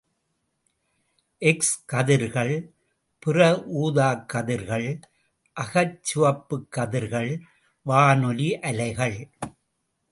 X கதிர்கள், புற ஊதாக் கதிர்கள், அகச் சிவப்புக் கதிர்கள், வானொலி அலைகள்.